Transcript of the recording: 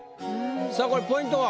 さあこれポイントは？